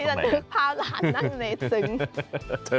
พาหลานนั่งในซึง